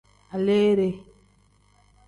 Aleere.